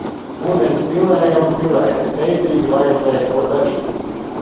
Ūdens pilēja un pilēja, steidzīgi vajadzēja ko darīt